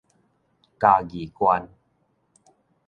嘉義縣